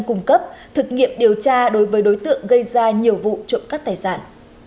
cung cấp thực nghiệm điều tra đối với đối tượng gây ra nhiều vụ trộm cắp tài sản